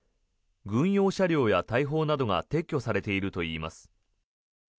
軍用車両や大砲などが撤去されているといいます。